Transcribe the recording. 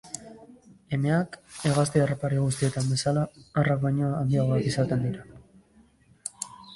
Emeak, hegazti harrapari guztietan bezala, arrak baino handiagoak izaten dira.